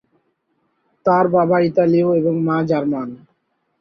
তার বাবা ইতালীয় এবং মা জার্মান।